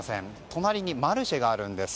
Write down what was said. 隣にマルシェがあるんです。